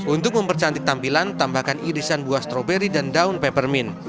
untuk mempercantik tampilan tambahkan irisan buah stroberi dan daun pepermin